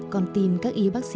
còn tìm các y bác sĩ